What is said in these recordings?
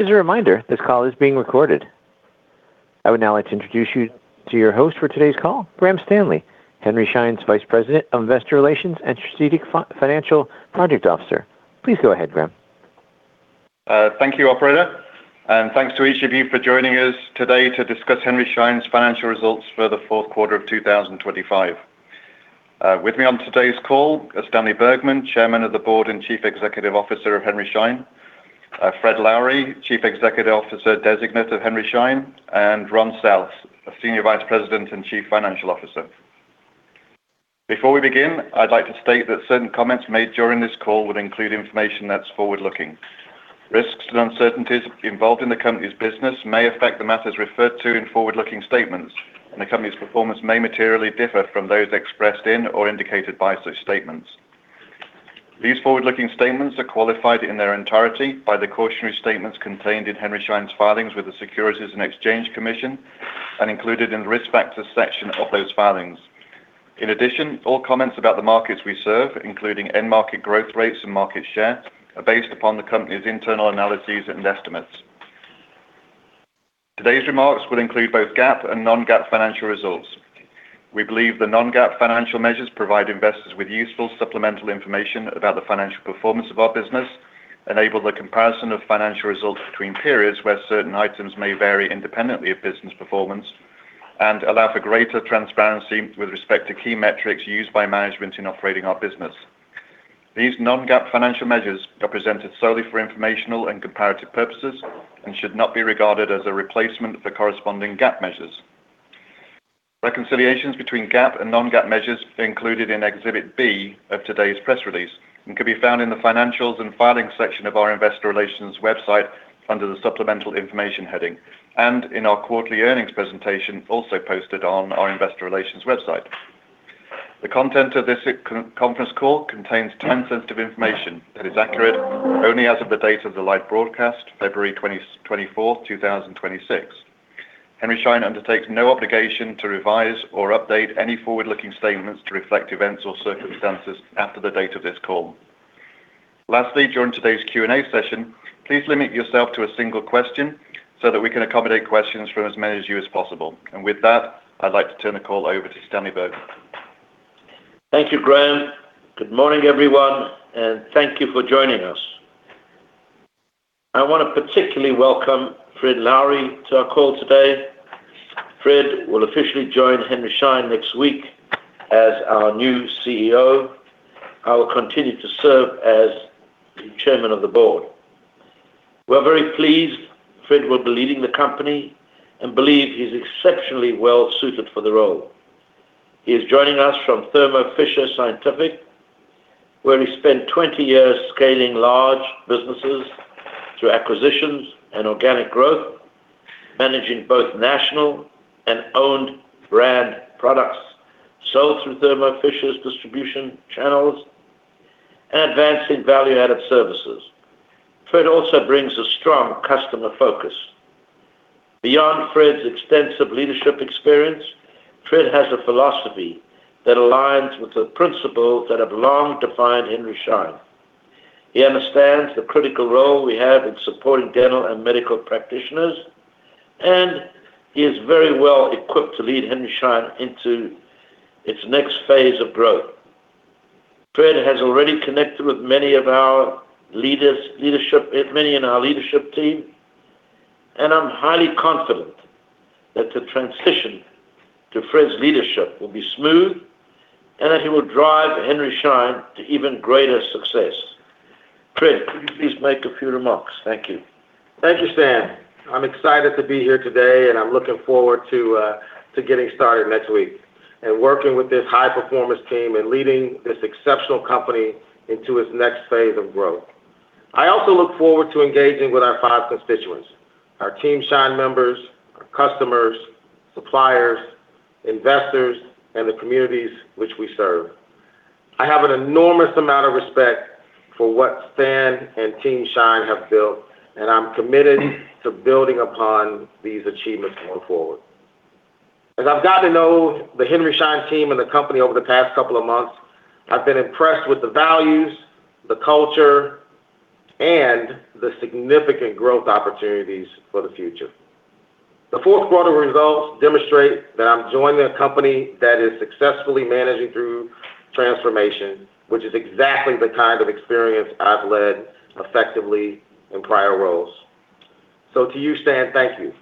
As a reminder, this call is being recorded. I would now like to introduce you to your host for today's call, Graham Stanley, Henry Schein's Vice President of Investor Relations and Strategic Financial Project Officer. Please go ahead, Graham. Thank you, operator, and thanks to each of you for joining us today to discuss Henry Schein's financial results for the fourth quarter of 2025. With me on today's call is Stanley Bergman, Chairman of the Board and Chief Executive Officer of Henry Schein, Fred Lowery, Chief Executive Officer Designate of Henry Schein, and Ron South, Senior Vice President and Chief Financial Officer. Before we begin, I'd like to state that certain comments made during this call would include information that's forward-looking. Risks and uncertainties involved in the company's business may affect the matters referred to in forward-looking statements, and the company's performance may materially differ from those expressed in or indicated by such statements. These forward-looking statements are qualified in their entirety by the cautionary statements contained in Henry Schein's filings with the Securities and Exchange Commission and included in the risk factors section of those filings. In addition, all comments about the markets we serve, including end market growth rates and market share, are based upon the company's internal analyses and estimates. Today's remarks will include both GAAP and non-GAAP financial results. We believe the non-GAAP financial measures provide investors with useful supplemental information about the financial performance of our business, enable the comparison of financial results between periods where certain items may vary independently of business performance, and allow for greater transparency with respect to key metrics used by management in operating our business. These non-GAAP financial measures are presented solely for informational and comparative purposes and should not be regarded as a replacement for corresponding GAAP measures. Reconciliations between GAAP and non-GAAP measures are included in Exhibit B of today's press release and can be found in the Financials and Filings section of our Investor Relations website under the Supplemental Information heading, and in our quarterly earnings presentation, also posted on our Investor Relations website. The content of this conference call contains time-sensitive information that is accurate only as of the date of the live broadcast, February 24, 2026. Henry Schein undertakes no obligation to revise or update any forward-looking statements to reflect events or circumstances after the date of this call. Lastly, during today's Q&A session, please limit yourself to a single question so that we can accommodate questions from as many of you as possible. With that, I'd like to turn the call over to Stanley Bergman. Thank you, Graham. Good morning, everyone, and thank you for joining us. I want to particularly welcome Fred Lowery to our call today. Fred will officially join Henry Schein next week as our new CEO. I will continue to serve as the Chairman of the Board. We're very pleased Fred will be leading the company and believe he's exceptionally well-suited for the role. He is joining us from Thermo Fisher Scientific, where he spent 20 years scaling large businesses through acquisitions and organic growth, managing both national and owned brand products sold through Thermo Fisher's distribution channels and advancing value-added services. Fred also brings a strong customer focus. Beyond Fred's extensive leadership experience, Fred has a philosophy that aligns with the principles that have long defined Henry Schein. He understands the critical role we have in supporting dental and medical practitioners, and he is very well equipped to lead Henry Schein into its next phase of growth. Fred has already connected with many in our leadership team, and I'm highly confident that the transition to Fred's leadership will be smooth and that he will drive Henry Schein to even greater success. Fred, could you please make a few remarks? Thank you. Thank you, Stan. I'm excited to be here today, and I'm looking forward to getting started next week and working with this high-performance team and leading this exceptional company into its next phase of growth. I also look forward to engaging with our five constituents: our Team Schein members, our customers, suppliers, investors, and the communities which we serve. I have an enormous amount of respect for what Stan and Team Schein have built, and I'm committed to building upon these achievements going forward. As I've gotten to know the Henry Schein team and the company over the past couple of months, I've been impressed with the values, the culture, and the significant growth opportunities for the future. The fourth quarter results demonstrate that I'm joining a company that is successfully managing through transformation, which is exactly the kind of experience I've led effectively in prior roles. To you, Stan, thank you.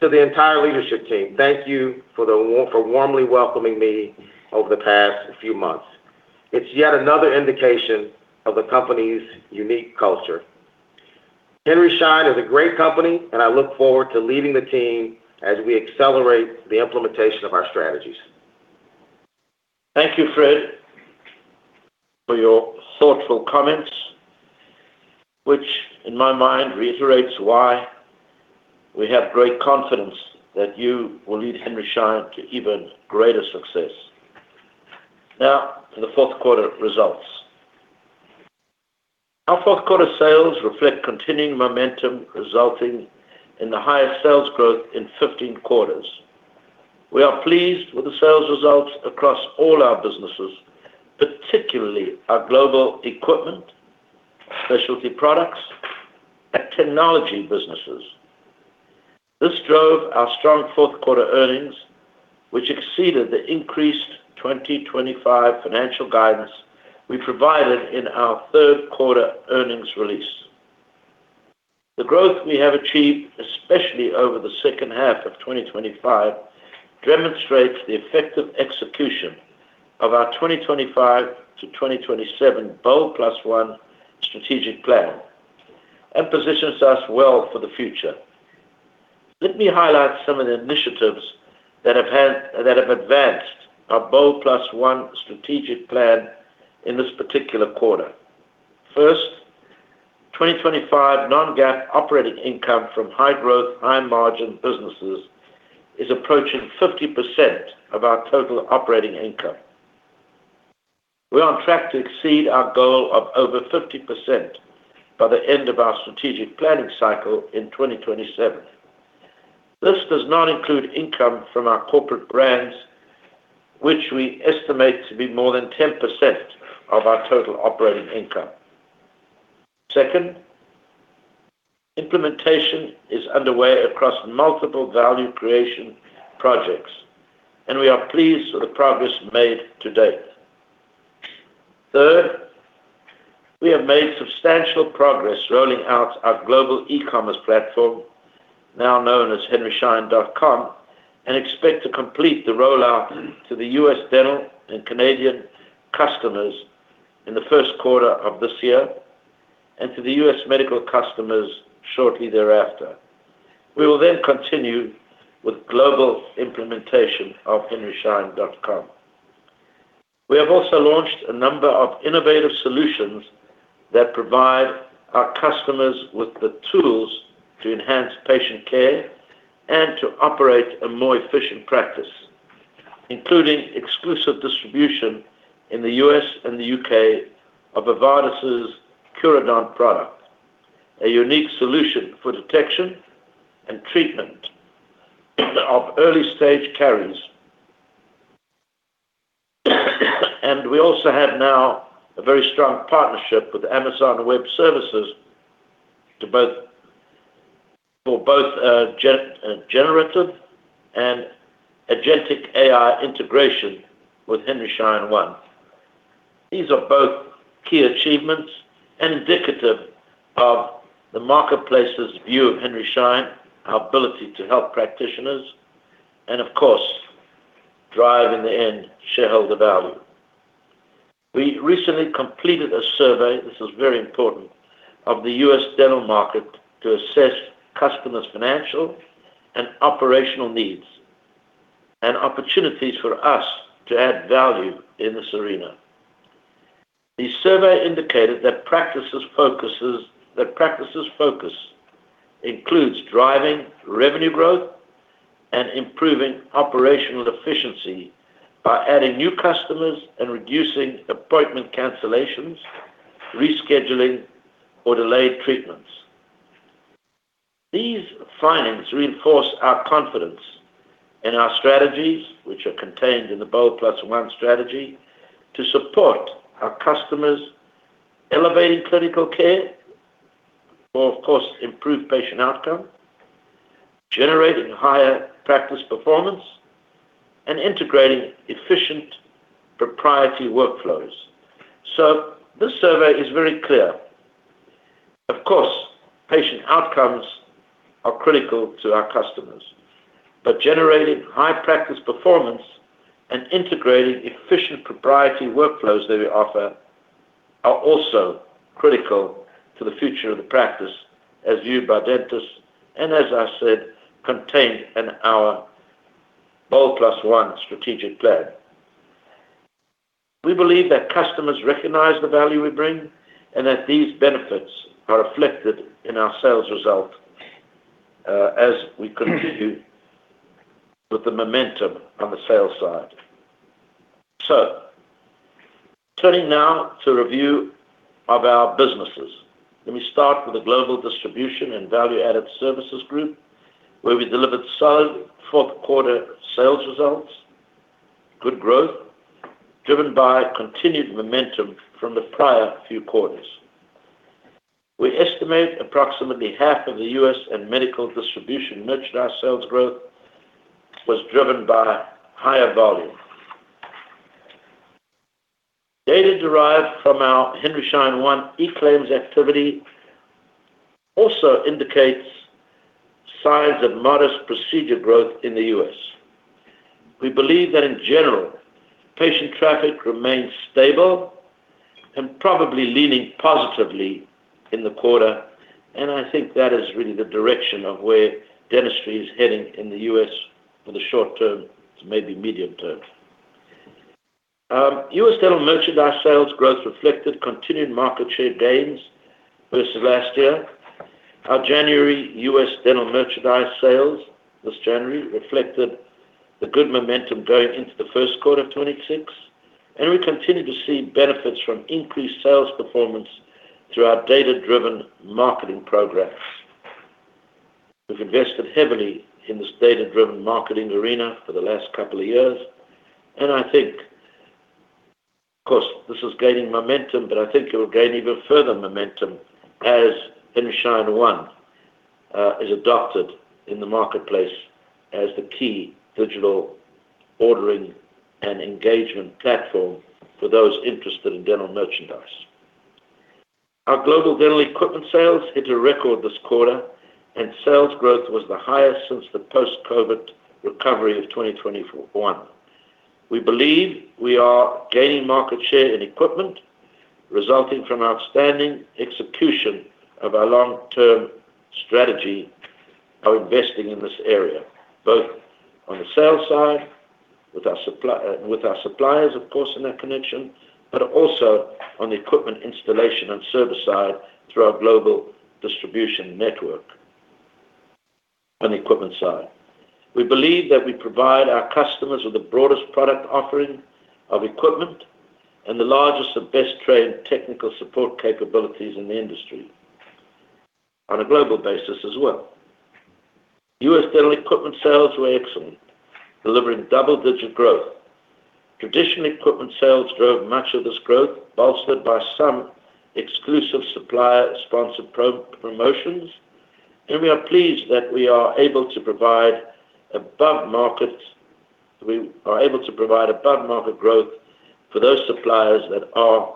To the entire leadership team, thank you for warmly welcoming me over the past few months. It's yet another indication of the company's unique culture. Henry Schein is a great company, and I look forward to leading the team as we accelerate the implementation of our strategies. Thank you, Fred, for your thoughtful comments, which, in my mind, reiterates why we have great confidence that you will lead Henry Schein to even greater success. Now, for the 4th quarter results. Our 4th quarter sales reflect continuing momentum, resulting in the highest sales growth in 15 quarters. We are pleased with the sales results across all our businesses, particularly our global equipment, specialty products, and technology businesses. This drove our strong 4th quarter earnings, which exceeded the increased 2025 financial guidance we provided in our 3rd quarter earnings release. The growth we have achieved, especially over the second half of 2025, demonstrates the effective execution of our 2025-2027 BOLD+1 strategic plan and positions us well for the future. Let me highlight some of the initiatives that have advanced our BOLD+1 strategic plan in this particular quarter. First, 2025 non-GAAP operating income from high-growth, high-margin businesses is approaching 50% of our total operating income. We are on track to exceed our goal of over 50% by the end of our strategic planning cycle in 2027. This does not include income from our corporate brands, which we estimate to be more than 10% of our total operating income. Second, implementation is underway across multiple value creation projects, and we are pleased with the progress made to date. Third, we have made substantial progress rolling out our global e-commerce platform, now known as henryschein.com, and expect to complete the rollout to the U.S. Dental and Canadian customers in the first quarter of this year, and to the U.S. Medical customers shortly thereafter. We will continue with global implementation of henryschein.com. We have also launched a number of innovative solutions that provide our customers with the tools to enhance patient care and to operate a more efficient practice, including exclusive distribution in the U.S. and the U.K. of Avardis' Curaden product, a unique solution for detection and treatment of early-stage caries. We also have now a very strong partnership with Amazon Web Services for both generative and agentic AI integration with Henry Schein One. These are both key achievements and indicative of the marketplace's view of Henry Schein, our ability to help practitioners, and of course, drive, in the end, shareholder value. We recently completed a survey, this is very important, of the U.S. dental market to assess customers' financial and operational needs and opportunities for us to add value in this arena. The survey indicated that practices focus includes driving revenue growth and improving operational efficiency by adding new customers and reducing appointment cancellations, rescheduling, or delayed treatments. These findings reinforce our confidence in our strategies, which are contained in the Bold Plus One strategy, to support our customers, elevating clinical care for, of course, improved patient outcome, generating higher practice performance, and integrating efficient propriety workflows. This survey is very clear. Of course, patient outcomes are critical to our customers but generating high practice performance and integrating efficient proprietary workflows that we offer are also critical to the future of the practice as viewed by dentists, and as I said, contained in our BOLD+1 strategic plan. We believe that customers recognize the value we bring and that these benefits are reflected in our sales result as we continue with the momentum on the sales side. Turning now to review of our businesses. Let me start with the global distribution and value-added services group, where we delivered solid fourth quarter sales results, good growth, driven by continued momentum from the prior few quarters. We estimate approximately half of the U.S. and medical distribution merchandise sales growth was driven by higher volume. Data derived from our Henry Schein One eClaims activity also indicates signs of modest procedure growth in the U.S. We believe that in general, patient traffic remains stable and probably leaning positively in the quarter, I think that is really the direction of where dentistry is heading in the U.S. for the short term, to maybe medium term. U.S. dental merchandise sales growth reflected continued market share gains versus last year. Our January U.S. dental merchandise sales, this January, reflected the good momentum going into the 1st quarter of 2026, and we continue to see benefits from increased sales through our data-driven marketing programs. We've invested heavily in this data-driven marketing arena for the last couple of years. I think, of course, this is gaining momentum. I think it will gain even further momentum as Henry Schein One is adopted in the marketplace as the key digital ordering and engagement platform for those interested in dental merchandise. Our global dental equipment sales hit a record this quarter. Sales growth was the highest since the post-COVID recovery of 2021. We believe we are gaining market share in equipment, resulting from outstanding execution of our long-term strategy of investing in this area, both on the sales side, with our suppliers, of course, in that connection, also on the equipment installation and service side through our global distribution network on the equipment side. We believe that we provide our customers with the broadest product offering of equipment and the largest and best-trained technical support capabilities in the industry on a global basis as well. U.S. dental equipment sales were excellent, delivering double-digit growth. Traditional equipment sales drove much of this growth, bolstered by some exclusive supplier-sponsored promotions. We are pleased that we are able to provide above-market growth for those suppliers that are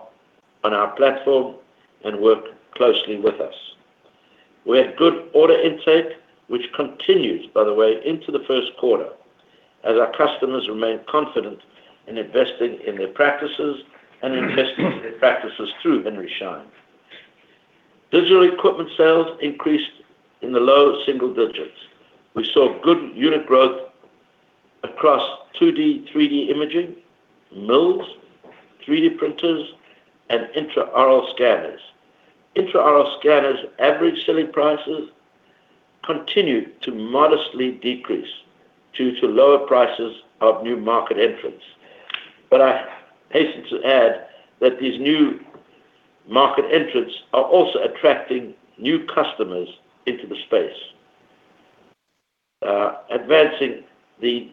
on our platform and work closely with us. We had good order intake, which continues, by the way, into the first quarter, as our customers remain confident in investing in their practices through Henry Schein. Digital equipment sales increased in the low single digits. We saw good unit growth across 2D, 3D imaging, mills, 3D printers, and intraoral scanners. Intraoral scanners' average selling prices continued to modestly decrease due to lower prices of new market entrants. I hasten to add that these new market entrants are also attracting new customers into the space, advancing the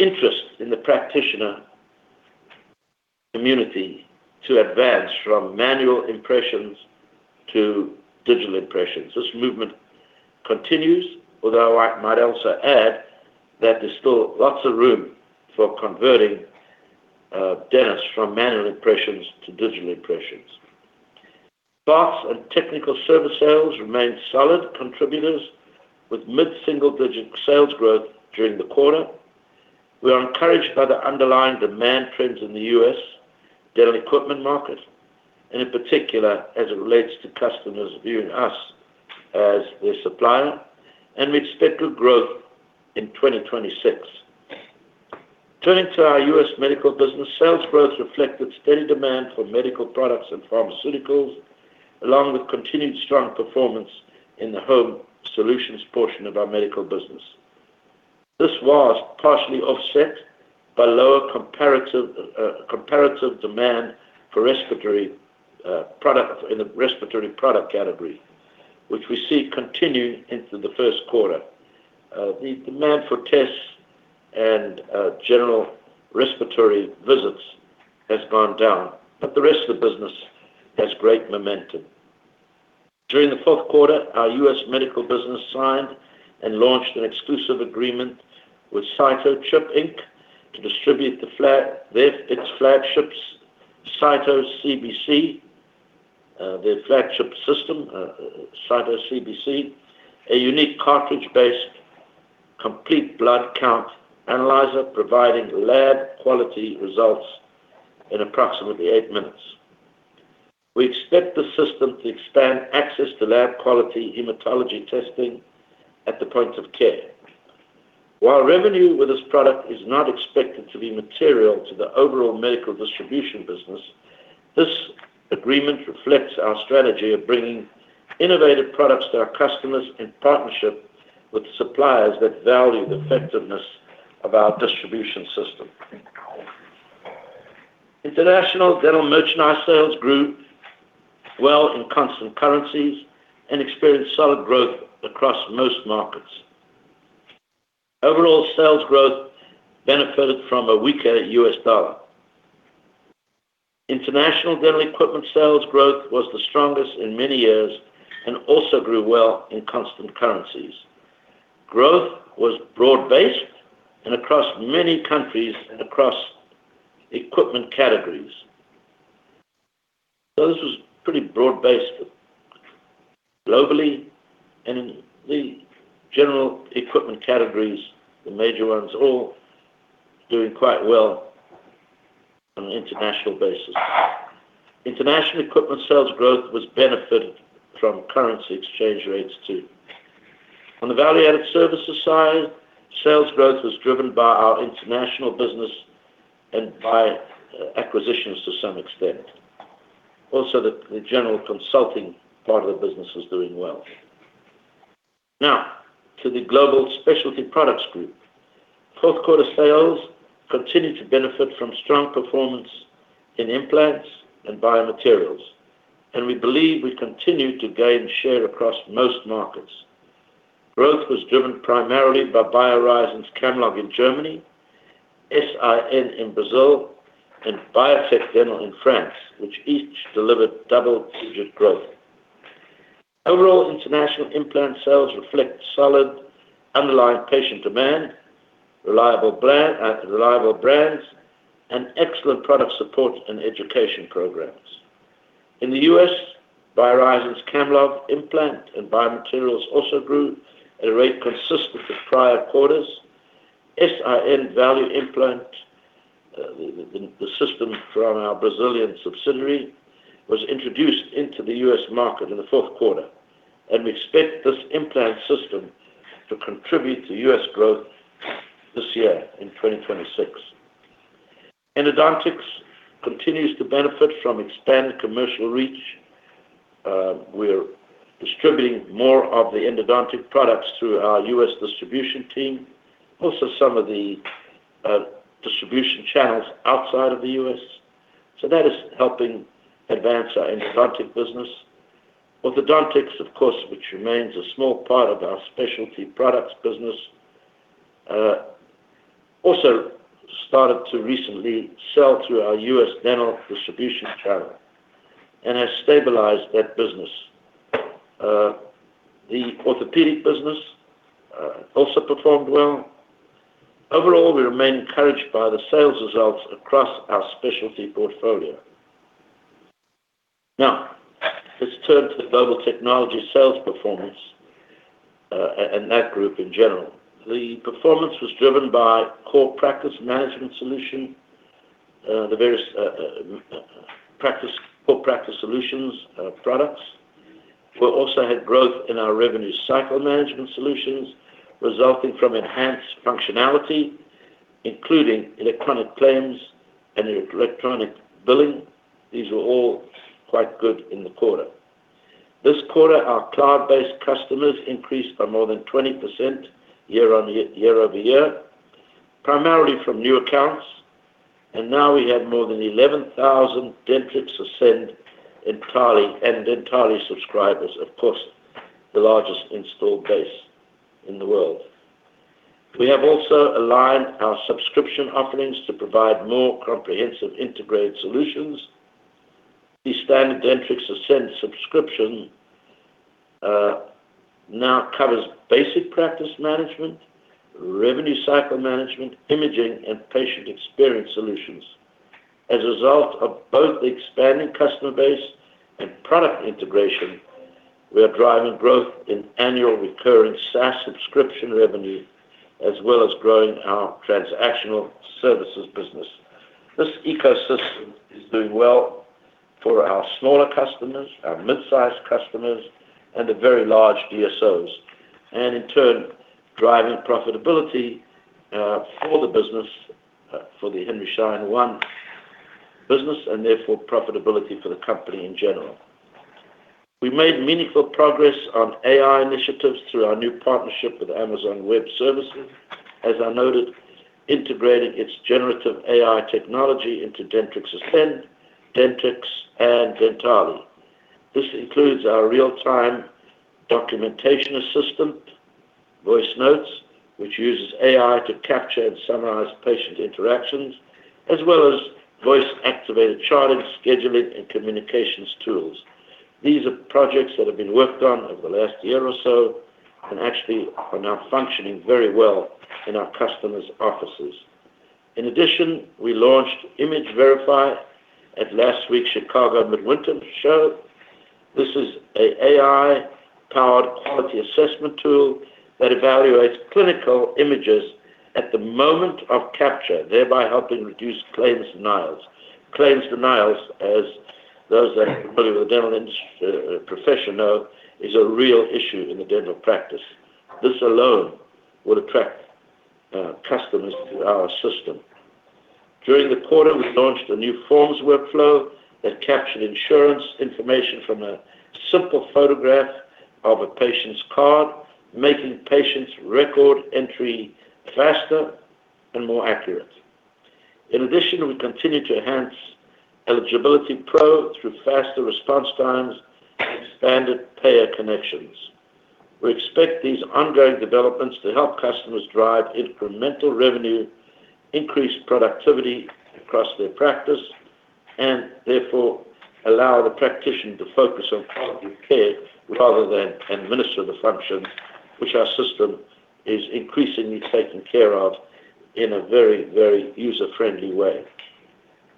interest in the practitioner community to advance from manual impressions to digital impressions. This movement continues, although I might also add that there's still lots of room for converting dentists from manual impressions to digital impressions. Parts and technical service sales remained solid contributors, with mid-single-digit sales growth during the quarter. We are encouraged by the underlying demand trends in the U.S. dental equipment market, and in particular, as it relates to customers viewing us as their supplier, and we expect good growth in 2026. Turning to our U.S. medical business, sales growth reflected steady demand for medical products and pharmaceuticals, along with continued strong performance in the home solutions portion of our medical business. This was partially offset by lower comparative demand in the respiratory product category, which we see continuing into the first quarter. The demand for tests and general respiratory visits has gone down, but the rest of the business has great momentum. During the fourth quarter, our U.S. medical business signed and launched an exclusive agreement with CytoChip Inc. To distribute its flagship system, Cyto CBC, a unique cartridge-based complete blood count analyzer, providing lab quality results in approximately eight minutes. We expect the system to expand access to lab quality hematology testing at the point of care. While revenue with this product is not expected to be material to the overall medical distribution business, this agreement reflects our strategy of bringing innovative products to our customers in partnership with suppliers that value the effectiveness of our distribution system. International dental merchandise sales grew well in constant currencies and experienced solid growth across most markets. Overall, sales growth benefited from a weaker U.S. dollar. International dental equipment sales growth was the strongest in many years and also grew well in constant currencies. Growth was broad-based and across many countries and across equipment categories. This was pretty broad-based, globally, and the general equipment categories, the major ones, all doing quite well on an international basis. International equipment sales growth was benefited from currency exchange rates, too. On the value-added services side, sales growth was driven by our international business and by acquisitions to some extent. Also, the general consulting part of the business was doing well. to the global specialty products group. Fourth quarter sales continued to benefit from strong performance in implants and biomaterials, and we believe we continued to gain share across most markets. Growth was driven primarily by BioHorizons Camlog in Germany, S.I.N. in Brazil, and Biotech Dental in France, which each delivered double-digit growth. Overall, international implant sales reflect solid underlying patient demand, reliable brand, reliable brands, and excellent product support and education programs. In the U.S., BioHorizons Camlog implant and biomaterials also grew at a rate consistent with prior quarters. S.I.N. value implant, the system from our Brazilian subsidiary, was introduced into the U.S. market in the fourth quarter, and we expect this implant system to contribute to U.S. growth this year, in 2026. Endodontics continues to benefit from expanded commercial reach. We're distributing more of the endodontic products through our U.S. distribution team, also some of the distribution channels outside of the U.S. That is helping advance our endodontic business. Orthodontics, of course, which remains a small part of our specialty products business, also started to recently sell through our U.S. dental distribution channel and has stabilized that business. The orthopedic business also performed well. Overall, we remain encouraged by the sales results across our specialty portfolio. Let's turn to the global technology sales performance and that group in general. The performance was driven by core practice management solution, the various core practice solutions products. We also had growth in our revenue cycle management solutions, resulting from enhanced functionality, including electronic claims and electronic billing. These were all quite good in the quarter. This quarter, our cloud-based customers increased by more than 20% year over year, primarily from new accounts, and now we have more than 11,000 Dentrix Ascend entirely subscribers, of course, the largest installed base in the world. We have also aligned our subscription offerings to provide more comprehensive, integrated solutions. The standard Dentrix Ascend subscription now covers basic practice management, revenue cycle management, imaging, and patient experience solutions. As a result of both the expanding customer base and product integration, we are driving growth in annual recurring SaaS subscription revenue, as well as growing our transactional services business. This ecosystem is doing well for our smaller customers, our mid-sized customers, and the very large DSOs, and in turn, driving profitability for the business, for the Henry Schein One business, and therefore profitability for the company in general. We made meaningful progress on AI initiatives through our new partnership with Amazon Web Services, as I noted, integrating its generative AI technology into Dentrix Ascend, Dentrix, and Dentally. This includes our real-time documentation assistant, Voice Notes, which uses AI to capture and summarize patient interactions, as well as voice-activated charting, scheduling, and communications tools. These are projects that have been worked on over the last year or so and actually are now functioning very well in our customers' offices. We launched Image Verify at last week's Chicago Midwinter Show. This is a AI-powered quality assessment tool that evaluates clinical images at the moment of capture, thereby helping reduce claims denials. Claims denials, as those that are familiar with the dental profession know, is a real issue in the dental practice. This alone would attract customers to our system. During the quarter, we launched a new forms workflow that captured insurance information from a simple photograph of a patient's card, making patients' record entry faster and more accurate. We continued to enhance Eligibility Pro through faster response times and expanded payer connections. We expect these ongoing developments to help customers drive incremental revenue, increase productivity across their practice, and therefore allow the practitioner to focus on quality of care rather than administer the function, which our system is increasingly taking care of in a very, very user-friendly way.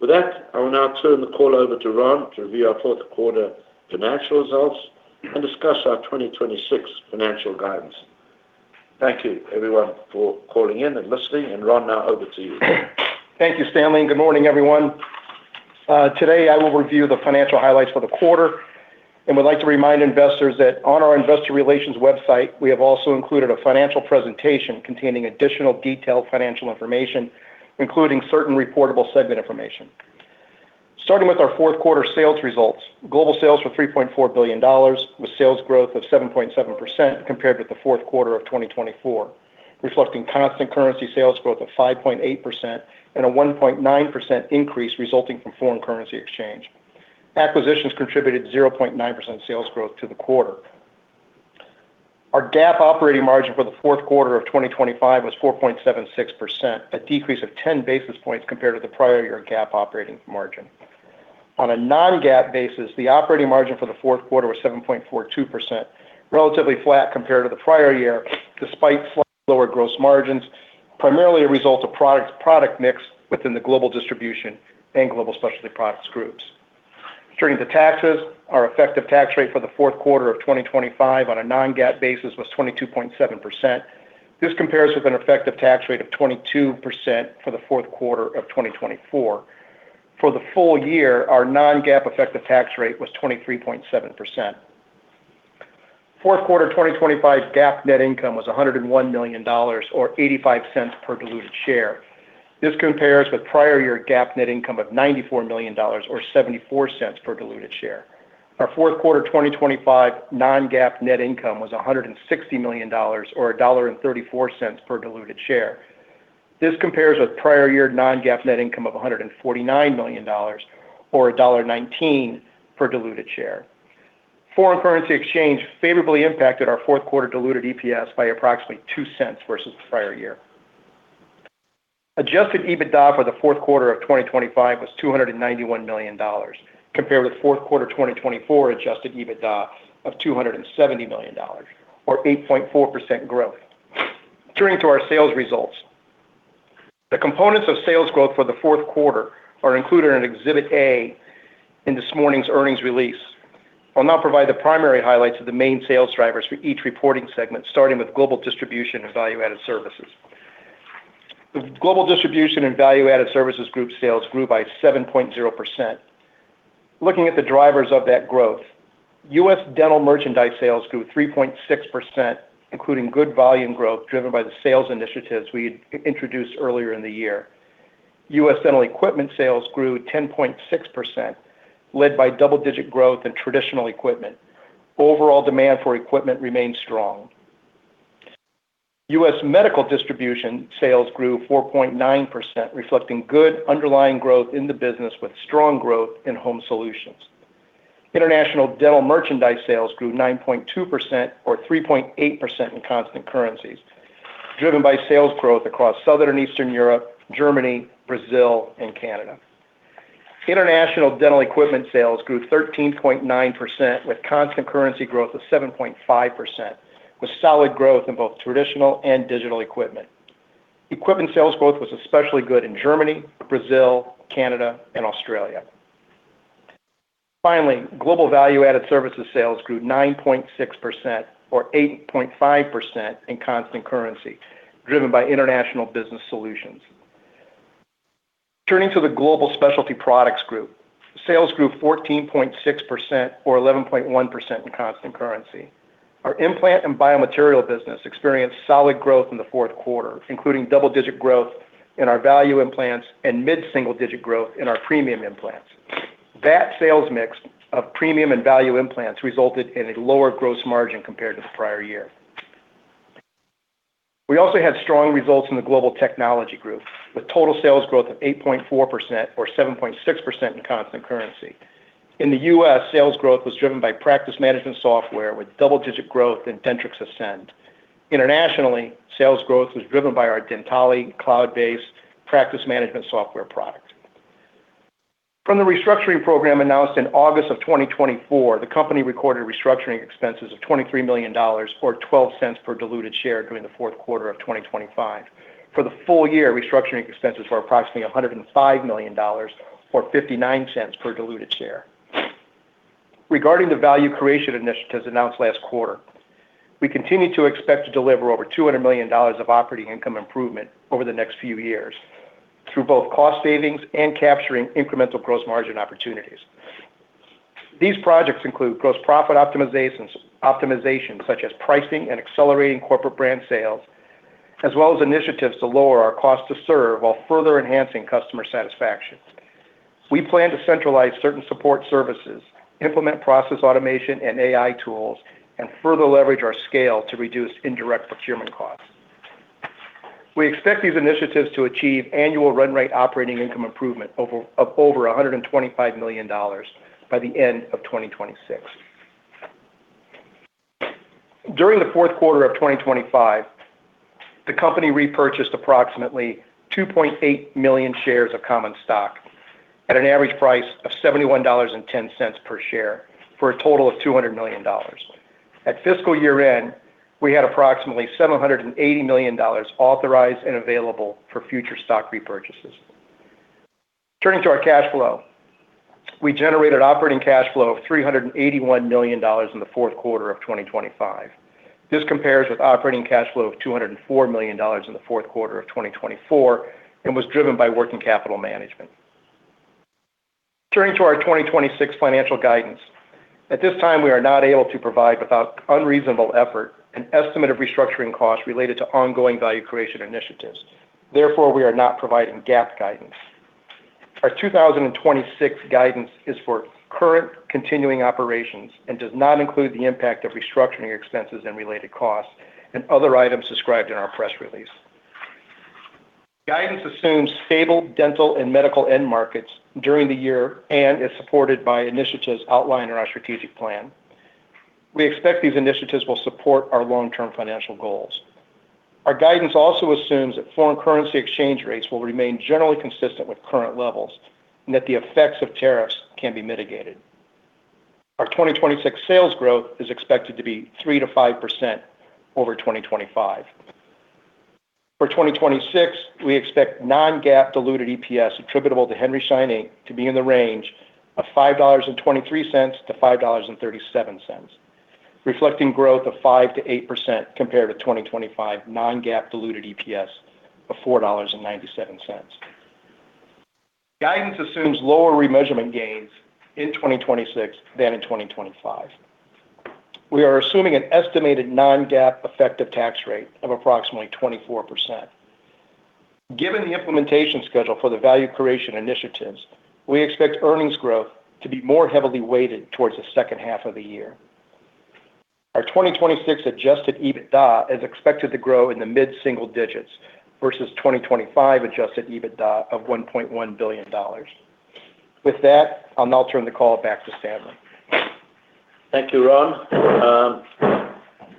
With that, I will now turn the call over to Ron to review our fourth quarter financial results and discuss our 2026 financial guidance. Thank you, everyone, for calling in and listening, and, Ron, now over to you. Thank you, Stanley, and good morning, everyone. Today I will review the financial highlights for the quarter and would like to remind investors that on our investor relations website, we have also included a financial presentation containing additional detailed financial information, including certain reportable segment information. Starting with our fourth quarter sales results. Global sales were $3.4 billion, with sales growth of 7.7% compared with the fourth quarter of 2024, reflecting constant currency sales growth of 5.8% and a 1.9% increase resulting from foreign currency exchange. Acquisitions contributed 0.9% sales growth to the quarter. Our GAAP operating margin for the fourth quarter of 2025 was 4.76%, a decrease of 10 basis points compared to the prior year GAAP operating margin. On a non-GAAP basis, the operating margin for the fourth quarter was 7.42%, relatively flat compared to the prior year, despite slightly lower gross margins, primarily a result of product mix within the global distribution and global specialty products groups. Turning to taxes, our effective tax rate for the fourth quarter of 2025 on a non-GAAP basis was 22.7%. This compares with an effective tax rate of 22% for the fourth quarter of 2024. For the full year, our non-GAAP effective tax rate was 23.7%. Fourth quarter 2025 GAAP net income was $101 million or $0.85 per diluted share. This compares with prior year GAAP net income of $94 million or $0.74 per diluted share. Our fourth quarter 2025 non-GAAP net income was $160 million or $1.34 per diluted share. This compares with prior year non-GAAP net income of $149 million or $1.19 per diluted share. Foreign currency exchange favorably impacted our fourth quarter diluted EPS by approximately $0.02 versus the prior year. Adjusted EBITDA for the fourth quarter of 2025 was $291 million, compared with fourth quarter 2024 adjusted EBITDA of $270 million, or 8.4% growth. Turning to our sales results. The components of sales growth for the fourth quarter are included in Exhibit A in this morning's earnings release. I'll now provide the primary highlights of the main sales drivers for each reporting segment, starting with global distribution and value-added services. The global distribution and value-added services group sales grew by 7.0%. Looking at the drivers of that growth, U.S. dental merchandise sales grew 3.6%, including good volume growth driven by the sales initiatives we had introduced earlier in the year. U.S. dental equipment sales grew 10.6%, led by double-digit growth in traditional equipment. Overall demand for equipment remained strong. U.S. medical distribution sales grew 4.9%, reflecting good underlying growth in the business, with strong growth in home solutions. International dental merchandise sales grew 9.2% or 3.8% in constant currencies, driven by sales growth across Southern and Eastern Europe, Germany, Brazil, and Canada. International dental equipment sales grew 13.9%, with constant currency growth of 7.5%, with solid growth in both traditional and digital equipment. Equipment sales growth was especially good in Germany, Brazil, Canada, and Australia. Global value-added services sales grew 9.6% or 8.5% in constant currency, driven by international business solutions. Turning to the global specialty products group. Sales grew 14.6% or 11.1% in constant currency. Our implant and biomaterial business experienced solid growth in the fourth quarter, including double-digit growth in our value implants and mid-single-digit growth in our premium implants. That sales mix of premium and value implants resulted in a lower gross margin compared to the prior year. We also had strong results in the global technology group, with total sales growth of 8.4% or 7.6% in constant currency. In the U.S., sales growth was driven by practice management software, with double-digit growth in Dentrix Ascend. Internationally, sales growth was driven by our Dentally cloud-based practice management software product. From the restructuring program announced in August of 2024, the company recorded restructuring expenses of $23 million or $0.12 per diluted share during the fourth quarter of 2025. For the full year, restructuring expenses were approximately $105 million or $0.59 per diluted share. Regarding the value creation initiatives announced last quarter, we continue to expect to deliver over $200 million of operating income improvement over the next few years, through both cost savings and capturing incremental gross margin opportunities. These projects include gross profit optimization such as pricing and accelerating corporate brand sales, as well as initiatives to lower our cost to serve while further enhancing customer satisfaction. We plan to centralize certain support services, implement process automation and AI tools, and further leverage our scale to reduce indirect procurement costs. We expect these initiatives to achieve annual run rate operating income improvement of over $125 million by the end of 2026. During the fourth quarter of 2025, the company repurchased approximately 2.8 million shares of common stock at an average price of $71.10 per share, for a total of $200 million. At fiscal year-end, we had approximately $780 million authorized and available for future stock repurchases. Turning to our cash flow. We generated operating cash flow of $381 million in the fourth quarter of 2025. This compares with operating cash flow of $204 million in the fourth quarter of 2024 and was driven by working capital management. Turning to our 2026 financial guidance. At this time, we are not able to provide, without unreasonable effort, an estimate of restructuring costs related to ongoing value creation initiatives. Therefore, we are not providing GAAP guidance. Our 2026 guidance is for current continuing operations and does not include the impact of restructuring expenses and related costs and other items described in our press release. Guidance assumes stable dental and medical end markets during the year and is supported by initiatives outlined in our strategic plan. We expect these initiatives will support our long-term financial goals. Our guidance also assumes that foreign currency exchange rates will remain generally consistent with current levels, and that the effects of tariffs can be mitigated. Our 2026 sales growth is expected to be 3%-5% over 2025. For 2026, we expect non-GAAP diluted EPS attributable to Henry Schein to be in the range of $5.23-$5.37, reflecting growth of 5%-8% compared to 2025 non-GAAP diluted EPS of $4.97. Guidance assumes lower remeasurement gains in 2026 than in 2025. We are assuming an estimated non-GAAP effective tax rate of approximately 24%. Given the implementation schedule for the value creation initiatives, we expect earnings growth to be more heavily weighted towards the second half of the year. Our 2026 adjusted EBITDA is expected to grow in the mid-single digits, versus 2025 adjusted EBITDA of $1.1 billion. With that, I'll now turn the call back to Stanley. Thank you, Ron.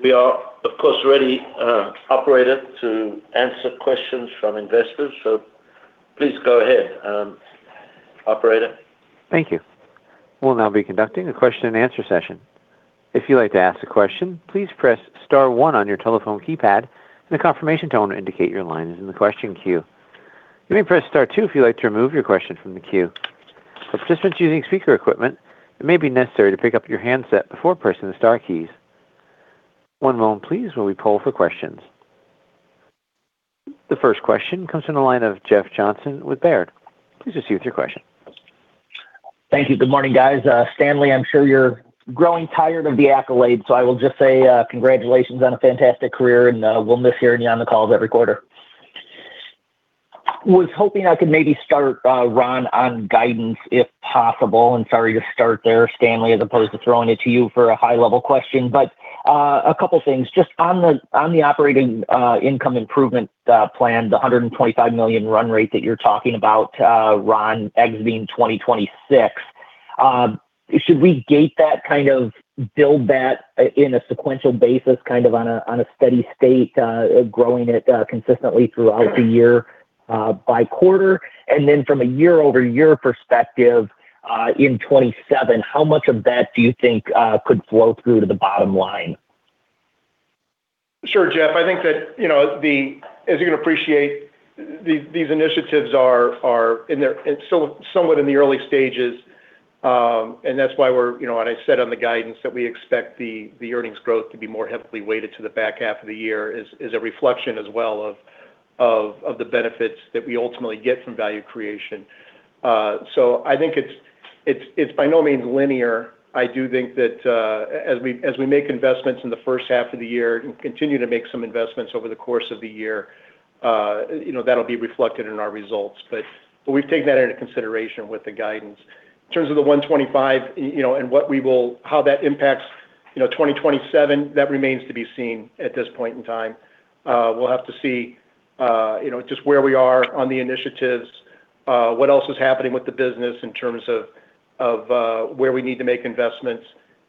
We are, of course, ready, operator, to answer questions from investors, please go ahead, operator. Thank you. We'll now be conducting a question-and-answer session. If you'd like to ask a question, please press * 1 on your telephone keypad, and a confirmation tone to indicate your line is in the question queue. You may press * 2 if you'd like to remove your question from the queue. Participants using speaker equipment, it may be necessary to pick up your handset before pressing the * keys. One moment, please, while we poll for questions. The first question comes from the line of Jeff Johnson with Baird. Please proceed with your question. Thank you. Good morning, guys. Stanley, I'm sure you're growing tired of the accolades, so I will just say, congratulations on a fantastic career, and we'll miss hearing you on the calls every quarter. Was hoping I could maybe start, Ron, on guidance, if possible, and sorry to start there, Stanley, as opposed to throwing it to you for a high-level question. A couple of things, just on the, on the operating income improvement plan, the $125 million run rate that you're talking about, Ron, ex being 2026. Should we gate that, kind of, build that in a sequential basis, kind of on a, on a steady state, growing it, consistently throughout the year, by quarter? From a year-over-year perspective, in 2027, how much of that do you think could flow through to the bottom line? Sure, Jeff. I think that, you know, as you can appreciate, these initiatives are in their somewhat in the early stages, and that's why we're, you know, what I said on the guidance, that we expect the earnings growth to be more heavily weighted to the back half of the year, is a reflection as well of the benefits that we ultimately get from value creation. I think it's by no means linear. I do think that, as we make investments in the first half of the year and continue to make some investments over the course of the year, you know, that'll be reflected in our results. But we've taken that into consideration with the guidance. In terms of the 125, you know, and how that impacts, you know, 2027, that remains to be seen at this point in time. We'll have to see, you know, just where we are on the initiatives, what else is happening with the business in terms of, where we need to make investments,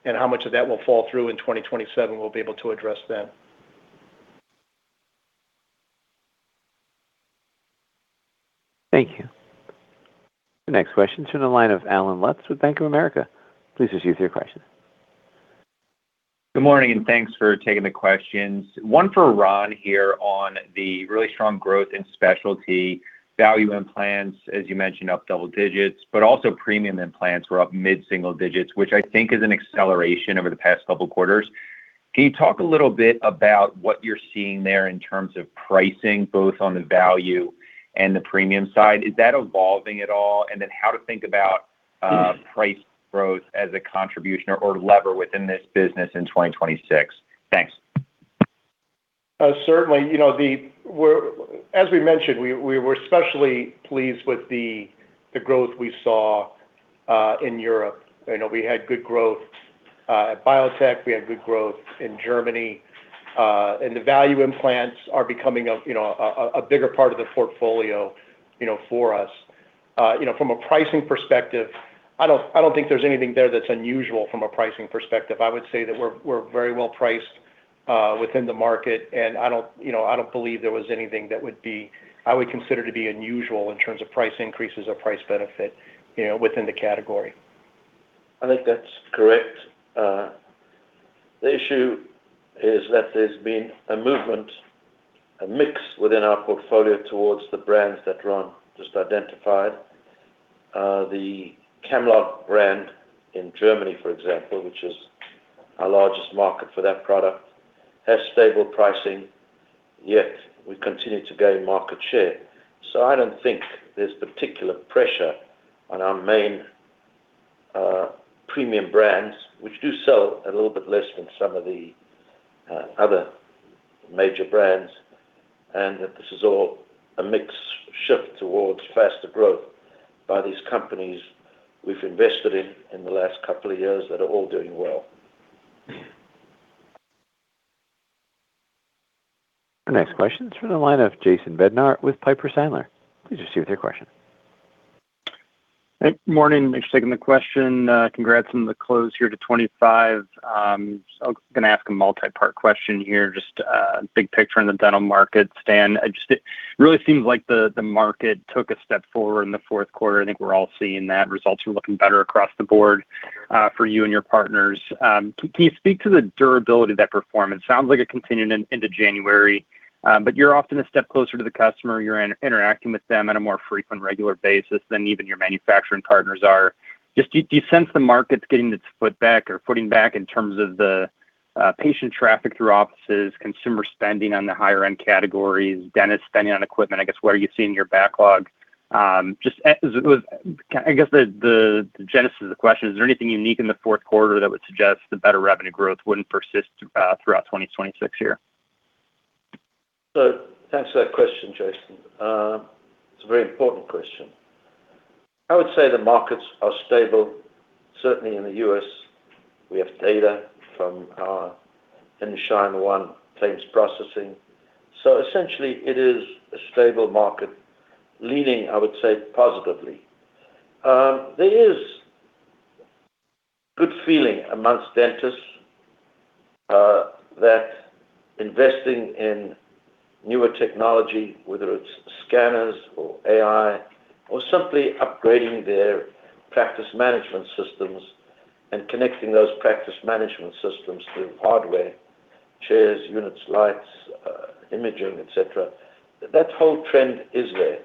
and how much of that will fall through in 2027, we'll be able to address then. Thank you. The next question is from the line of Allen Lutz with Bank of America. Please proceed with your question. Good morning. Thanks for taking the questions. One for Ron here on the really strong growth in specialty value implants, as you mentioned, up double digits. Also premium implants were up mid-single digits, which I think is an acceleration over the past couple of quarters. Can you talk a little bit about what you're seeing there in terms of pricing, both on the value and the premium side? Is that evolving at all? Then how to think about price growth as a contribution or lever within this business in 2026? Thanks. Certainly, you know, as we mentioned, we were especially pleased with the growth we saw in Europe. You know, we had good growth at Biotech, we had good growth in Germany, and the value implants are becoming a, you know, a bigger part of the portfolio, you know, for us. You know, from a pricing perspective, I don't think there's anything there that's unusual from a pricing perspective. I would say that we're very well-priced within the market, and I don't, you know, I don't believe there was anything that I would consider to be unusual in terms of price increases or price benefit, you know, within the category. I think that's correct. The issue is that there's been a movement, a mix within our portfolio towards the brands that Ron just identified. The Camlog brand in Germany, for example, Our largest market for that product has stable pricing, yet we continue to gain market share. I don't think there's particular pressure on our main premium brands, which do sell a little bit less than some of the other major brands, and that this is all a mix shift towards faster growth by these companies we've invested in in the last couple of years that are all doing well. The next question is from the line of Jason Bednar with Piper Sandler. Please proceed with your question. Hey, good morning. Thanks for taking the question. Congrats on the close here to 2025. I was going to ask a multi-part question here, just big picture in the dental market. Stan, it really seems like the market took a step forward in the fourth quarter. I think we're all seeing that. Results are looking better across the board for you and your partners. Can you speak to the durability of that performance? Sounds like it continued into January. You're often a step closer to the customer. You're interacting with them on a more frequent, regular basis than even your manufacturing partners are. Just do you sense the market's getting its foot back or footing back in terms of the patient traffic through offices, consumer spending on the higher end categories, dentist spending on equipment? I guess, where are you seeing your backlog? I guess the genesis of the question, is there anything unique in the fourth quarter that would suggest the better revenue growth wouldn't persist throughout 2026 here? Thanks for that question, Jason. It's a very important question. I would say the markets are stable, certainly in the U.S. We have data from our Henry Schein One claims processing. Essentially, it is a stable market, leaning, I would say, positively. There is good feeling amongst dentists that investing in newer technology, whether it's scanners or AI, or simply upgrading their practice management systems and connecting those practice management systems to hardware, chairs, units, lights, imaging, et cetera. That whole trend is there.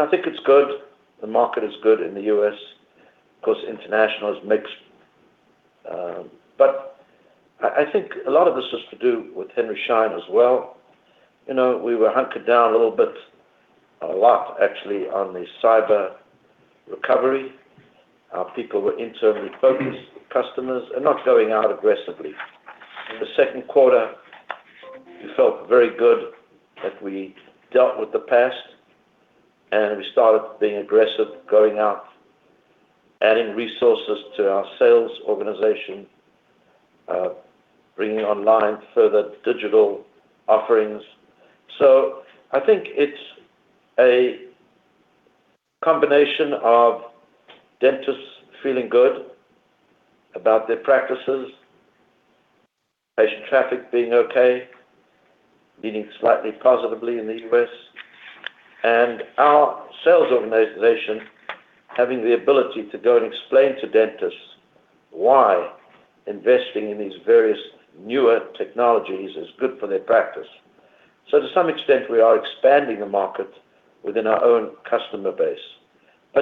I think it's good. The market is good in the U.S, because international is mixed. I think a lot of this has to do with Henry Schein as well. You know, we were hunkered down a little bit, a lot actually, on the cyber recovery. Our people were internally focused with customers and not going out aggressively. In the second quarter, we felt very good that we dealt with the past, we started being aggressive, going out, adding resources to our sales organization, bringing online further digital offerings. I think it's a combination of dentists feeling good about their practices, patient traffic being okay, leading slightly positively in the U.S., and our sales organization having the ability to go and explain to dentists why investing in these various newer technologies is good for their practice. To some extent, we are expanding the market within our own customer base.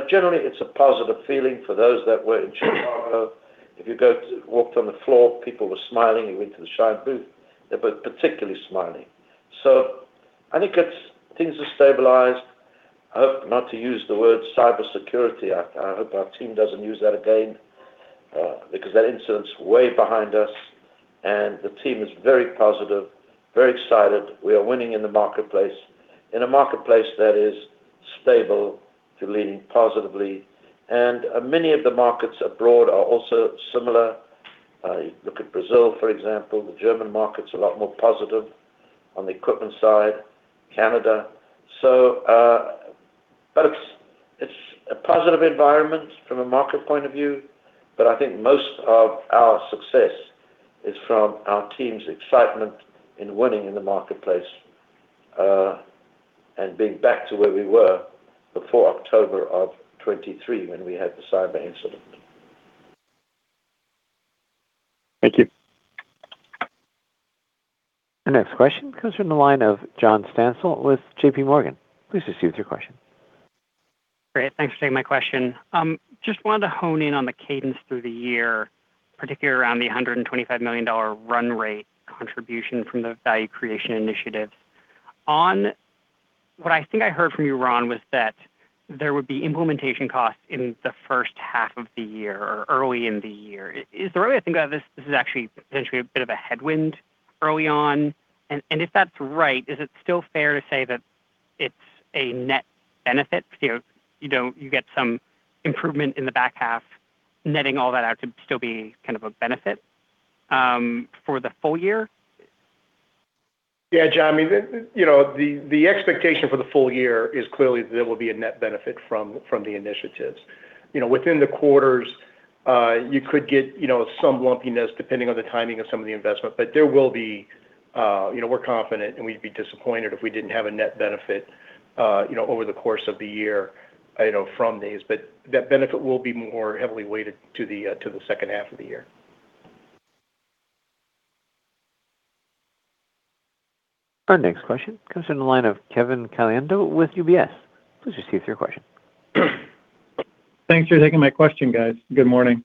Generally, it's a positive feeling for those that were in Chicago. If you walked on the floor, people were smiling. You went to the Schein booth; they were particularly smiling. I think it's things are stabilized. I hope not to use the word cybersecurity. I hope our team doesn't use that again, because that incident's way behind us. The team is very positive, very excited. We are winning in the marketplace, in a marketplace that is stable to lean positively. Many of the markets abroad are also similar. You look at Brazil, for example, the German market's a lot more positive on the equipment side, Canada. It's a positive environment from a market point of view, but I think most of our success is from our team's excitement in winning in the marketplace, and being back to where we were before October of 2023 when we had the cyber incident. Thank you. The next question comes from the line of Jon Stansel with J.P. Morgan. Please proceed with your question. Great, thanks for taking my question. Just wanted to hone in on the cadence through the year, particularly around the $125 million run rate contribution from the value creation initiatives. What I think I heard from you, Ron, was that there would be implementation costs in the first half of the year or early in the year. Is the right way to think about this is actually potentially a bit of a headwind early on? If that's right, is it still fair to say that it's a net benefit? You know, you get some improvement in the back half, netting all that out to still be kind of a benefit for the full year? Yeah, John, I mean, the, you know, the expectation for the full year is clearly there will be a net benefit from the initiatives. You know, within the quarters, you could get, you know, some lumpiness, depending on the timing of some of the investment. There will be. You know, we're confident, and we'd be disappointed if we didn't have a net benefit, you know, over the course of the year, you know, from these. That benefit will be more heavily weighted to the second half of the year. Our next question comes from the line of Kevin Caliendo with UBS. Please proceed with your question. Thanks for taking my question, guys. Good morning.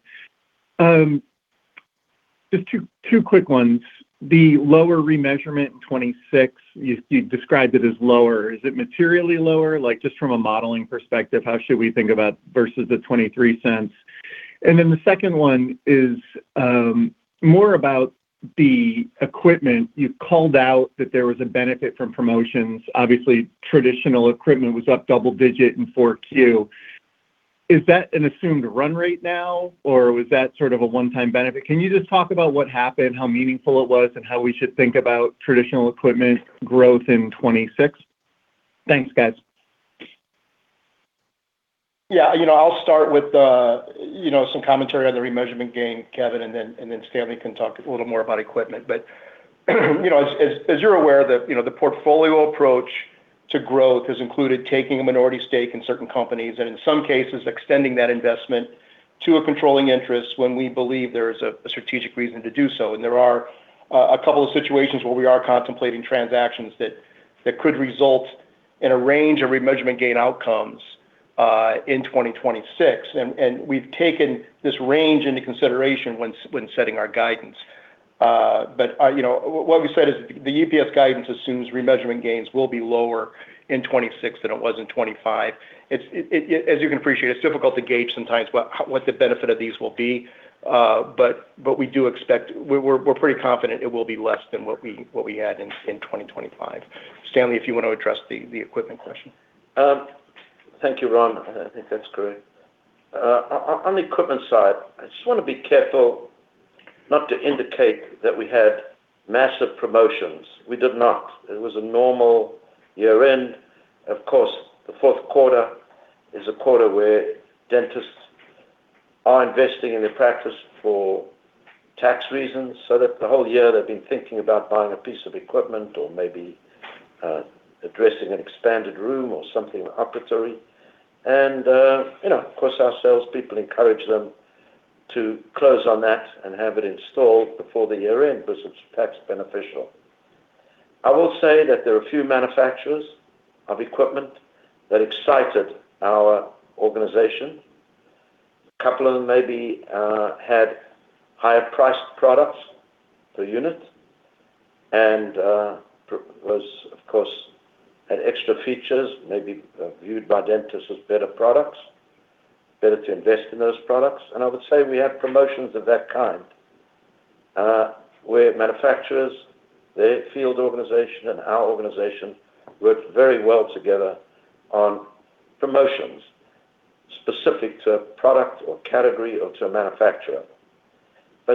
just two quick ones. The lower remeasurement in 2026, you described it as lower. Is it materially lower? Like, just from a modeling perspective, how should we think about versus the $0.23? The second one is more about the equipment. You called out that there was a benefit from promotions. Obviously, traditional equipment was up double-digit in Q4. Is that an assumed run rate now, or was that sort of a one-time benefit? Can you just talk about what happened, how meaningful it was, and how we should think about traditional equipment growth in 2026? Thanks, guys. Yeah, you know, I'll start with, you know, some commentary on the remeasurement gain, Kevin, then Stanley can talk a little more about equipment. You know, as you're aware that, you know, the portfolio approach to growth has included taking a minority stake in certain companies, and in some cases, extending that investment to a controlling interest when we believe there is a strategic reason to do so. There are a couple of situations where we are contemplating transactions that could result in a range of remeasurement gain outcomes in 2026. We've taken this range into consideration when setting our guidance. You know, what we said is the EPS guidance assumes remeasurement gains will be lower in 2026 than it was in 2025. It's, as you can appreciate, it's difficult to gauge sometimes what the benefit of these will be, but we do expect. We're pretty confident it will be less than what we had in 2025. Stanley, if you want to address the equipment question. Thank you, Ron. I think that's great. On the equipment side, I just want to be careful not to indicate that we had massive promotions. We did not. It was a normal year-end. Of course, the fourth quarter is a quarter where dentists are investing in their practice for tax reasons, so that the whole year they've been thinking about buying a piece of equipment or maybe addressing an expanded room or something operatory. You know, of course, our salespeople encourage them to close on that and have it installed before the year-end because it's tax beneficial. I will say that there are a few manufacturers of equipment that excited our organization. A couple of them maybe had higher priced products per unit and was, of course, had extra features, maybe viewed by dentists as better products, better to invest in those products. I would say we had promotions of that kind where manufacturers, their field organization and our organization worked very well together on promotions specific to a product, or category, or to a manufacturer.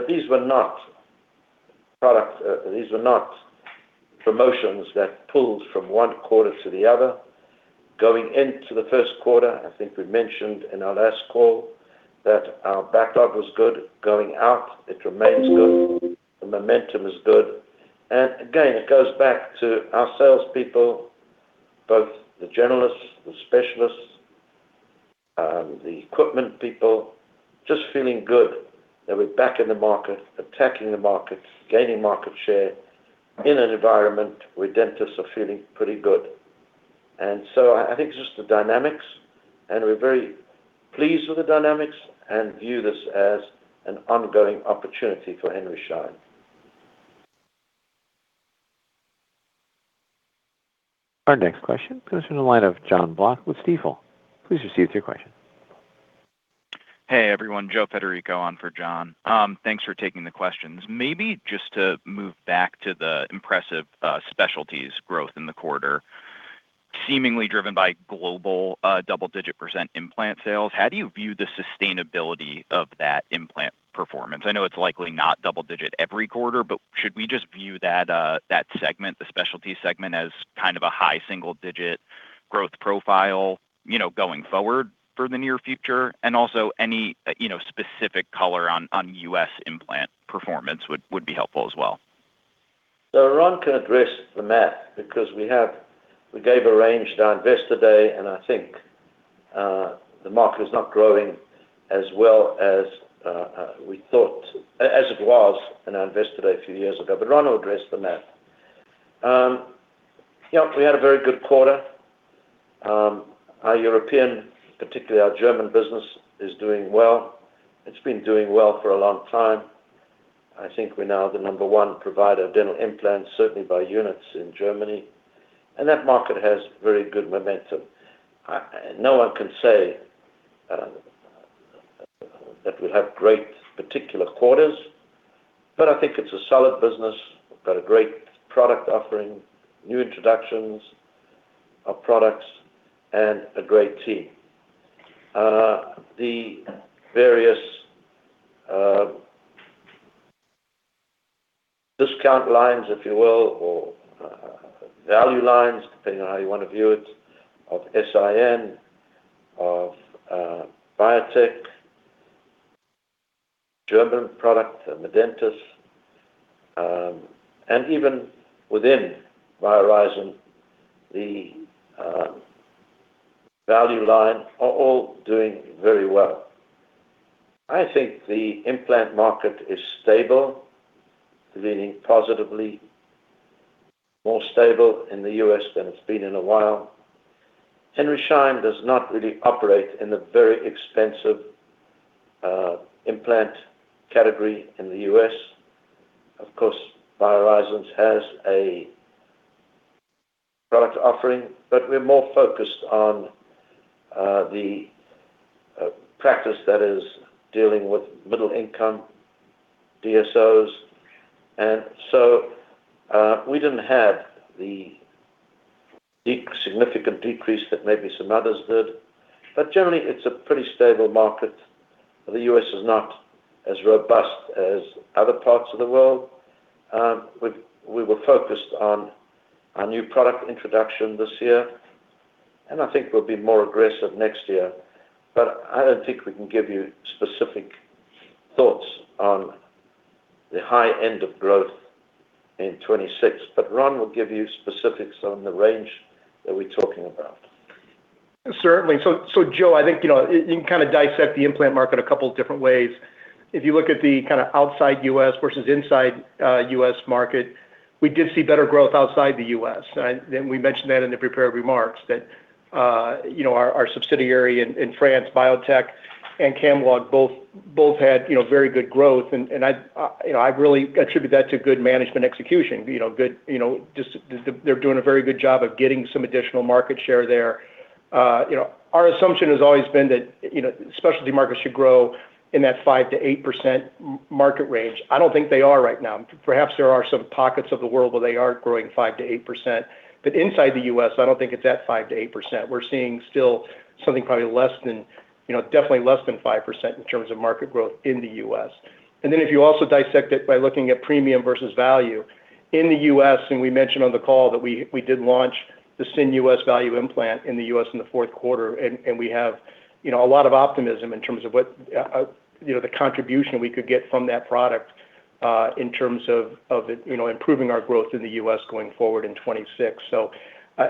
These were not products; these were not promotions that pulled from one quarter to the other. Going into the first quarter, I think we mentioned in our last call that our backlog was good. Going out, it remains good, the momentum is good. It goes back to our salespeople, both the generalists, the specialists, the equipment people, just feeling good that we're back in the market, attacking the market, gaining market share in an environment where dentists are feeling pretty good. I think just the dynamics, and we're very pleased with the dynamics and view this as an ongoing opportunity for Henry Schein. Our next question comes from the line of Jonathan Block with Stifel. Please receive your question. Hey, everyone. Joe Federico on for John. Thanks for taking the questions. Maybe just to move back to the impressive specialties growth in the quarter, seemingly driven by global double-digit % implant sales. How do you view the sustainability of that implant performance? I know it's likely not double-digit every quarter, but should we just view that segment, the specialty segment, as kind of a high single-digit growth profile, you know, going forward for the near future? Also, any, you know, specific color on U.S. implant performance would be helpful as well. Ron can address the math because we gave a range to our invest today, and I think the market is not growing as well as we thought as it was in our invest today a few years ago. Ron will address the math. Yeah, we had a very good quarter. Our European, particularly our German business, is doing well. It's been doing well for a long time. I think we're now the number one provider of dental implants, certainly by units in Germany, and that market has very good momentum. No one can say that we'll have great particular quarters, but I think it's a solid business. We've got a great product offering, new introductions of products, and a great team. The various discount lines, if you will, or value lines, depending on how you want to view it, of S.I.N., of Biotech, German product, and Modentist, and even within BioHorizons, the value line are all doing very well. I think the implant market is stable, meaning positively more stable in the U.S. than it's been in a while. Henry Schein does not really operate in the very expensive implant category in the U.S. Of course, BioHorizons has a product offering, but we're more focused on the practice that is dealing with middle-income DSOs. We didn't have the significant decrease that maybe some others did, but generally, it's a pretty stable market. The U.S. is not as robust as other parts of the world. We were focused on our new product introduction this year, and I think we'll be more aggressive next year, but I don't think we can give you specific thoughts on the high end of growth in 26. Ron will give you specifics on the range that we're talking about. Certainly. Joe, I think, you know, you can kind of dissect the implant market a couple of different ways. If you look at the kind of outside U.S. versus inside U.S. market, we did see better growth outside the U.S. We mentioned that in the prepared remarks that, you know, our subsidiary in France, Biotech and Camlog, both had, you know, very good growth, and I, you know, I really attribute that to good management execution. You know, just, they're doing a very good job of getting some additional market share there. You know, our assumption has always been that, you know, specialty markets should grow in that 5% to 8% market range. I don't think they are right now. Perhaps there are some pockets of the world where they are growing 5%-8%, but inside the U.S., I don't think it's at 5%-8%. We're seeing still something probably less than, you know, definitely less than 5% in terms of market growth in the U.S. Then, if you also dissect it by looking at premium versus value in the U.S., and we mentioned on the call that we did launch the S.I.N. Value Implant in the U.S. in the fourth quarter, and we have, you know, a lot of optimism in terms of what, you know, the contribution we could get from that product in terms of, you know, improving our growth in the U.S. going forward in 2026.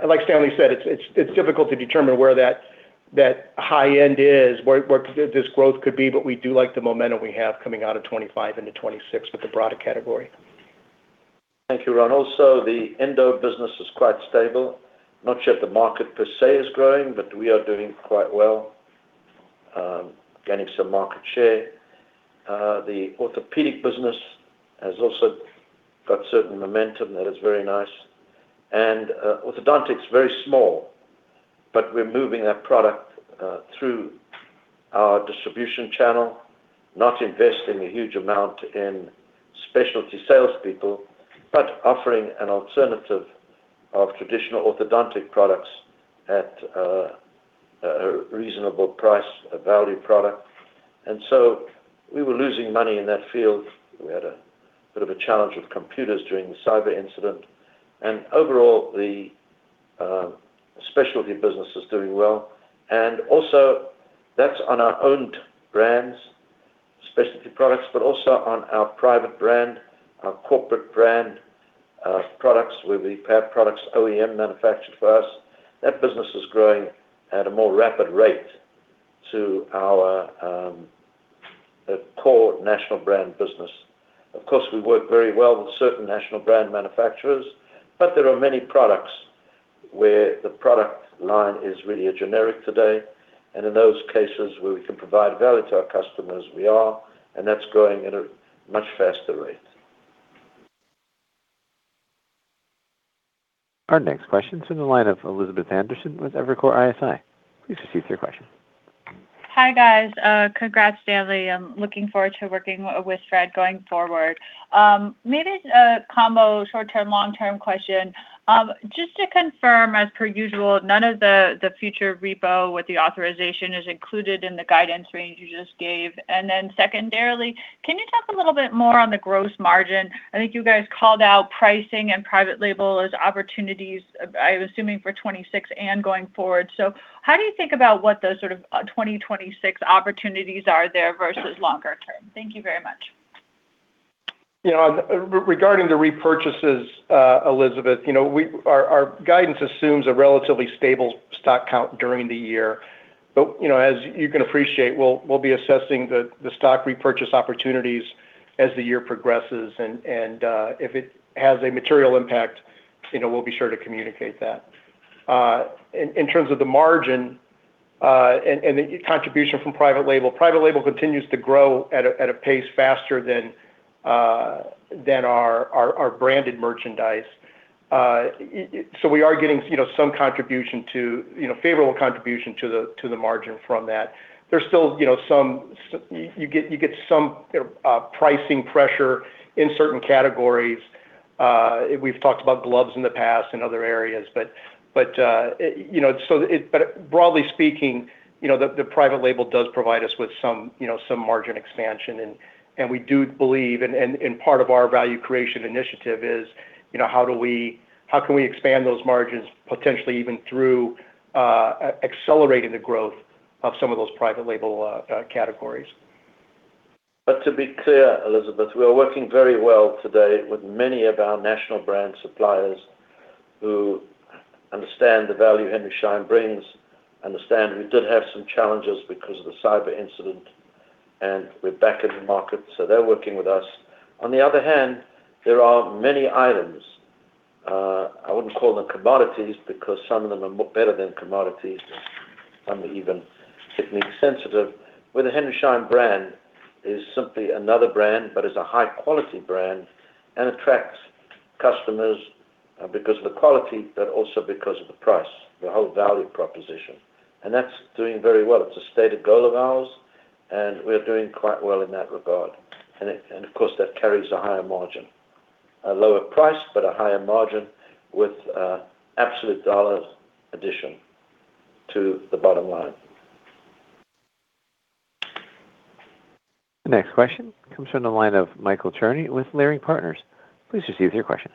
Like Stanley said, it's difficult to determine where that high end is, where this growth could be, but we do like the momentum we have coming out of 25 into 26 with the broader category. Thank you, Ron. The endo business is quite stable. Not sure if the market per se is growing, but we are doing quite well, gaining some market share. The orthopedic business has also got certain momentum that is very nice. Orthodontics, very small, but we're moving that product through our distribution channel, not investing a huge amount in specialty salespeople, but offering an alternative of traditional orthodontic products at a reasonable price, a value product. We were losing money in that field. We had a bit of a challenge with computers during the cyber incident, and overall, the specialty business is doing well. That's on our owned brands, specialty products, but also on our private brand, our corporate brand products, where we have products OEM manufactured for us. That business is growing at a more rapid rate to our core national brand business. We work very well with certain national brand manufacturers. There are many products where the product line is really a generic today. In those cases, where we can provide value to our customers, we are. That's growing at a much faster rate. Our next question is in the line of Elizabeth Anderson with Evercore ISI. Please proceed with your question. Hi, guys. Congrats, Stanley. I'm looking forward to working with Fred going forward. Maybe it's a combo short-term, long-term question. Just to confirm, as per usual, none of the future repo with the authorization is included in the guidance range you just gave. Secondarily, can you talk a little bit more on the gross margin? I think you guys called out pricing and private label as opportunities, I'm assuming for 2026 and going forward. So, how do you think about what those sort of 2026 opportunities are there versus longer term? Thank you very much. You know, regarding the repurchases, Elizabeth, you know, our guidance assumes a relatively stable stock count during the year. You know, as you can appreciate, we'll be assessing the stock repurchase opportunities as the year progresses, and if it has a material impact, you know, we'll be sure to communicate that. In terms of the margin, and the contribution from private label, private label continues to grow at a pace faster than our branded merchandise. So, we are getting, you know, some contribution to, you know, favorable contribution to the margin from that. There's still, you know, some. You get some pricing pressure in certain categories. We've talked about gloves in the past and other areas, but, you know, but broadly speaking, you know, the private label does provide us with some, you know, some margin expansion, and we do believe, and part of our value creation initiative is, you know, how can we expand those margins, potentially even through accelerating the growth of some of those private label categories? To be clear, Elizabeth, we are working very well today with many of our national brand suppliers who understand the value Henry Schein brings, understand we did have some challenges because of the cyber incident, and we're back in the market, so they're working with us. On the other hand, there are many items, I wouldn't call them commodities because some of them are more better than commodities, some are even technically sensitive, where the Henry Schein brand is simply another brand, but it's a high-quality brand and attracts customers because of the quality, but also because of the price, the whole value proposition. That's doing very well. It's a stated goal of ours, and we're doing quite well in that regard. Of course, that carries a higher margin. A lower price, but a higher margin with absolute dollars addition to the bottom line. The next question comes from the line of Michael Cherny with Leerink Partners. Please proceed with your question.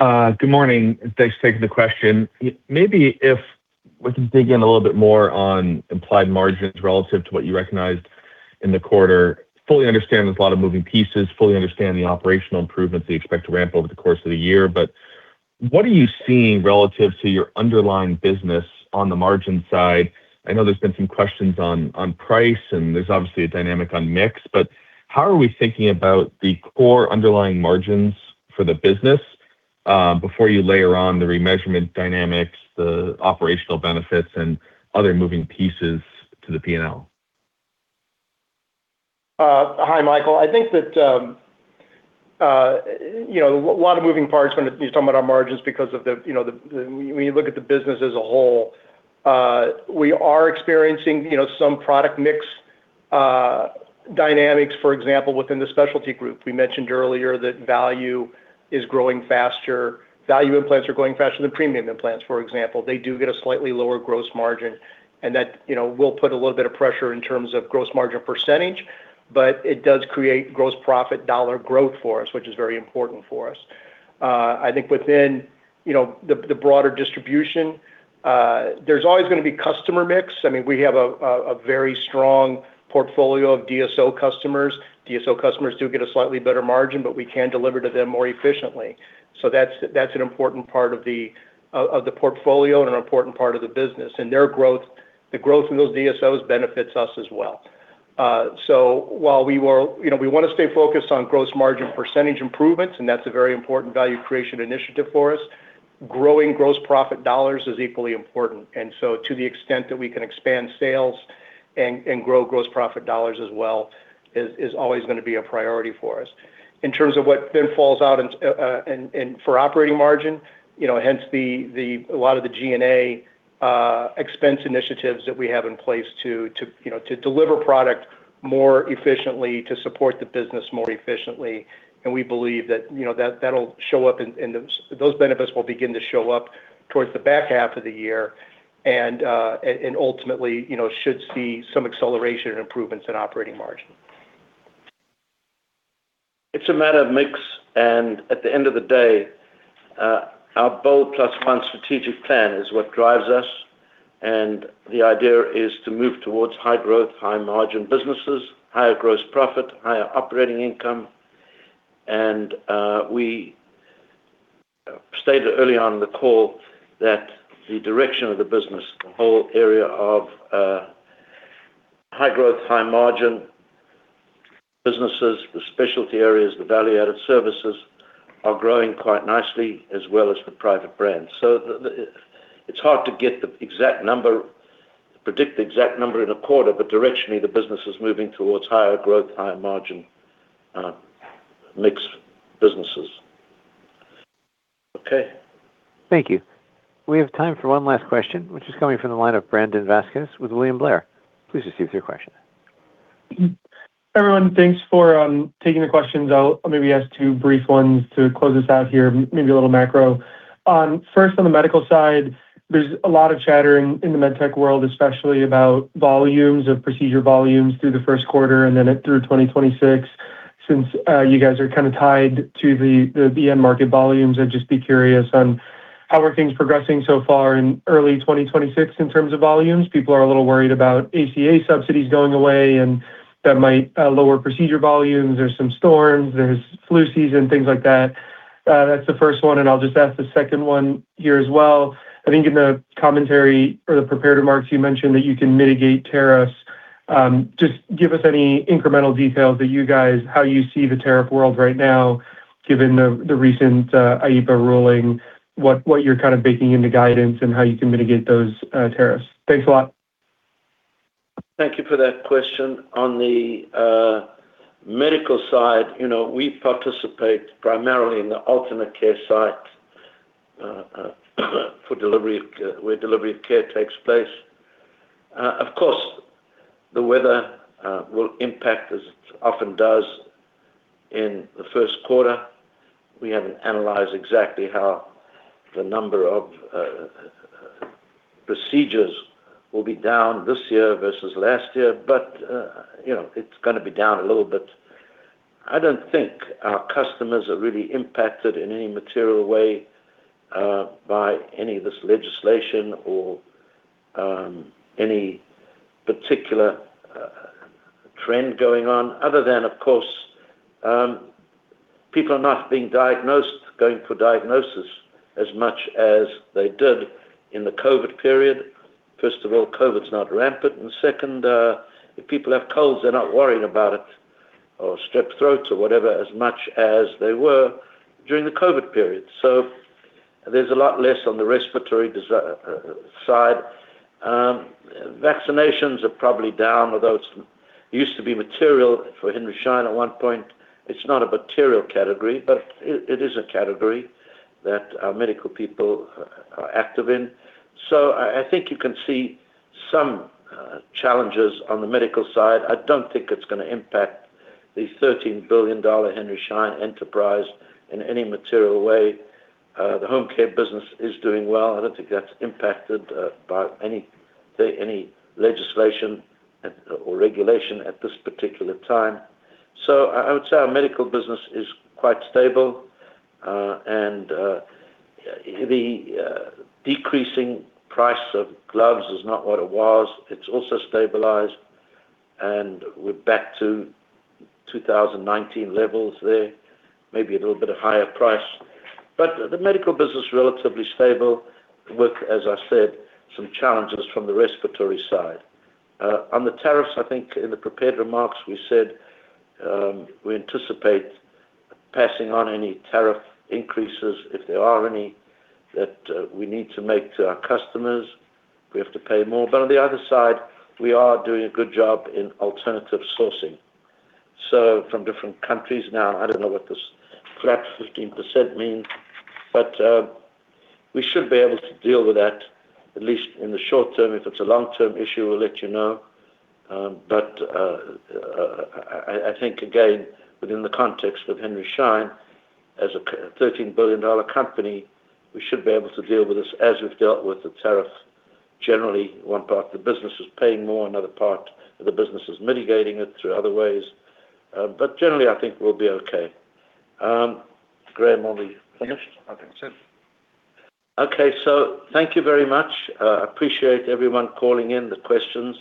Good morning, and thanks for taking the question. Maybe if we can dig in a little bit more on implied margins relative to what you recognized in the quarter. Fully understand there's a lot of moving pieces, fully understand the operational improvements that you expect to ramp over the course of the year, but what are you seeing relative to your underlying business on the margin side? I know there's been some questions on price, and there's obviously a dynamic on mix, but how are we thinking about the core underlying margins for the business before you layer on the remeasurement dynamics, the operational benefits, and other moving pieces to the P&L? Hi, Michael. I think that, you know, a lot of moving parts when you're talking about our margins because of the, you know, when you look at the business as a whole, we are experiencing, you know, some product mix dynamics, for example, within the specialty group. We mentioned earlier that value is growing faster, value implants are growing faster than premium implants, for example. They do get a slightly lower gross margin, that, you know, will put a little bit of pressure in terms of gross margin percentage, but it does create gross profit dollar growth for us, which is very important for us. I think within, you know, the broader distribution, there's always going to be customer mix. I mean, we have a very strong portfolio of DSO customers. DSO customers do get a slightly better margin, but we can deliver to them more efficiently. That's an important part of the portfolio and an important part of the business. Their growth, the growth of those DSOs benefits us as well. While you know, we want to stay focused on gross margin % improvements, and that's a very important value creation initiative for us, growing gross profit dollars is equally important. To the extent that we can expand sales and grow gross profit dollars as well, is always going to be a priority for us. In terms of what then falls out in for operating margin, you know, hence the a lot of the G&A expense initiatives that we have in place to, you know, to deliver product more efficiently, to support the business more efficiently, and we believe that, you know, that'll show up in those benefits will begin to show up towards the back half of the year, and ultimately, you know, should see some acceleration and improvements in operating margin. It's a matter of mix, and at the end of the day, our BOLD+1 strategic plan is what drives us, and the idea is to move towards high growth, high margin businesses, higher gross profit, higher operating income. We stated early on in the call that the direction of the business, the whole area of high growth, high margin businesses, the specialty areas, the value-added services, are growing quite nicely, as well as the private brands. It's hard to get the exact number, predict the exact number in a quarter, but directionally, the business is moving towards higher growth, higher margin, mixed businesses. Okay. Thank you. We have time for one last question, which is coming from the line of Brandon Vazquez with William Blair. Please proceed with your question. Everyone, thanks for taking the questions. I'll maybe ask two brief ones to close us out here, maybe a little macro. First, on the medical side, there's a lot of chattering in the med tech world, especially about volumes of procedure volumes through the first quarter and then at through 2026. Since you guys are kinda tied to the BN market volumes, I'd just be curious on how are things progressing so far in early 2026 in terms of volumes. People are a little worried about ACA subsidies going away, and that might lower procedure volumes. There's some storms, there's flu season, things like that. That's the first one, and I'll just ask the second one here as well. I think in the commentary or the prepared remarks, you mentioned that you can mitigate tariffs. Just give us any incremental details that you guys, how you see the tariff world right now, given the recent IEEPA ruling, what you're kind of baking into guidance, and how you can mitigate those tariffs? Thanks a lot. Thank you for that question. On the medical side, you know, we participate primarily in the alternate care site for delivery of where delivery of care takes place. Of course, the weather will impact, as it often does in the first quarter. We haven't analyzed exactly how the number of procedures will be down this year versus last year, but, you know, it's going to be down a little bit. I don't think our customers are really impacted in any material way by any of this legislation or any particular-... trend going on, other than, of course, people are not being diagnosed, going for diagnosis as much as they did in the COVID period. First of all, COVID's not rampant, second, if people have colds, they're not worried about it, or strep throats or whatever, as much as they were during the COVID period. There's a lot less on the respiratory side. Vaccinations are probably down, although it used to be material for Henry Schein at one point. It's not a material category, but it is a category that our medical people are active in. I think you can see some challenges on the medical side. I don't think it's going to impact the $13 billion Henry Schein enterprise in any material way. The home care business is doing well. I don't think that's impacted by any legislation or regulation at this particular time. I would say our medical business is quite stable. The decreasing price of gloves is not what it was. It's also stabilized. We're back to 2019 levels there, maybe a little bit of higher price. The medical business is relatively stable, with, as I said, some challenges from the respiratory side. On the tariffs, I think in the prepared remarks, we said, we anticipate passing on any tariff increases, if there are any, that we need to make to our customers. We have to pay more. On the other side, we are doing a good job in alternative sourcing, so from different countries. I don't know what this flat 15% means. We should be able to deal with that, at least in the short term. If it's a long-term issue, we'll let you know. I think again, within the context of Henry Schein, as a 13-billion-dollar company, we should be able to deal with this as we've dealt with the tariff. Generally, one part of the business is paying more, another part of the business is mitigating it through other ways, but generally, I think we'll be okay. Graham, are we finished? Yes, I think so. Thank you very much. I appreciate everyone calling in the questions.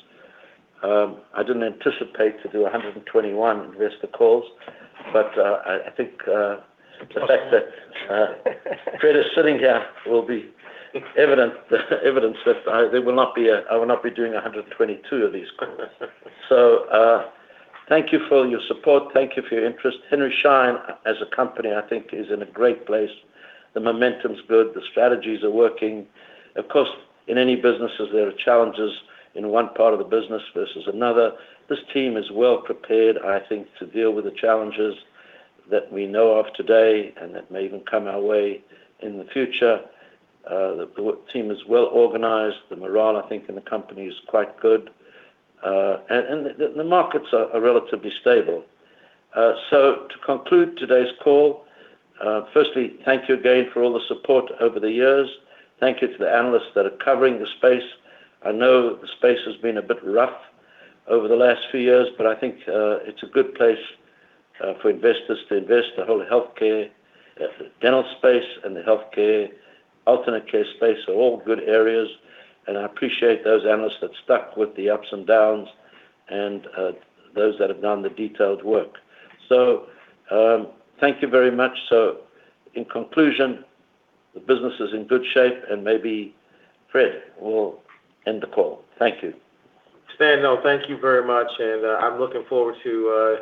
I didn't anticipate to do 121 investor calls, but I think the fact that Fred is sitting here will be evident, the evidence that I will not be doing 122 of these. Thank you for your support. Thank you for your interest. Henry Schein, as a company, I think, is in a great place. The momentum is good; the strategies are working. Of course, in any businesses, there are challenges in one part of the business versus another. This team is well prepared, I think, to deal with the challenges that we know of today and that may even come our way in the future. The team is well organized. The morale, I think, in the company is quite good. And the markets are relatively stable. To conclude today's call, firstly, thank you again for all the support over the years. Thank you to the analysts that are covering the space. I know the space has been a bit rough over the last few years, but I think it's a good place for investors to invest. The whole healthcare, dental space and the healthcare, alternate care space are all good areas, and I appreciate those analysts that stuck with the ups and downs and those that have done the detailed work. Thank you very much. In conclusion, the business is in good shape, and maybe Fred will end the call. Thank you. Stan, no, thank you very much. I'm looking forward to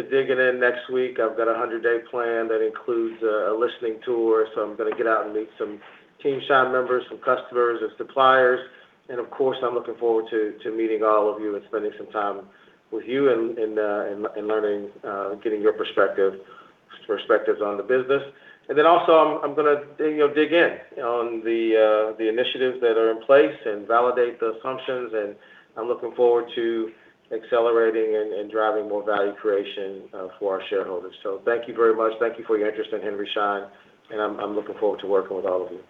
digging in next week. I've got a 100-day plan that includes a listening tour, so I'm going to get out and meet some Team Schein members, some customers, and suppliers. Of course, I'm looking forward to meeting all of you and spending some time with you and learning, getting your perspective, perspectives on the business. Also, I'm going to, you know, dig in on the initiatives that are in place and validate the assumptions. I'm looking forward to accelerating and driving more value creation for our shareholders. Thank you very much. Thank you for your interest in Henry Schein. I'm looking forward to working with all of you.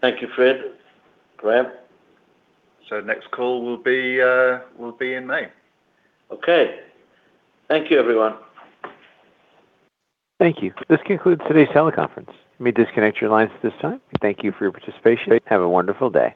Thank you, Fred. Graham? Next call will be in May. Okay. Thank you, everyone. Thank you. This concludes today's teleconference. You may disconnect your lines at this time. Thank you for your participation. Have a wonderful day.